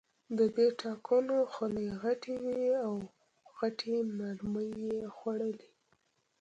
د دې ټانکونو خولې غټې وې او غټې مرمۍ یې خوړلې